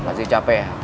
masih capek ya